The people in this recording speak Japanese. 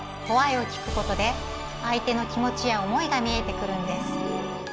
「Ｗｈｙ」を聞くことで相手の気持ちや思いが見えてくるんです。